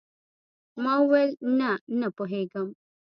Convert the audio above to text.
ما وويل نه نه پوهېږم.